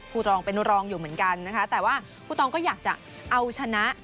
รองเป็นรองอยู่เหมือนกันนะคะแต่ว่าครูตองก็อยากจะเอาชนะ